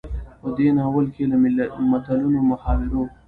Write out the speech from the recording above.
په دې ناول کې له متلونو، محاورو،